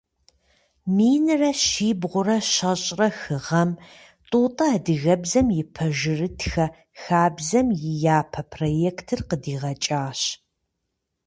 Минрэ щибгъурэ щэщӏрэ хы гъэм Тӏутӏэ адыгэбзэм и пэжырытхэ хабзэм и япэ проектыр къыдигъэкӏащ.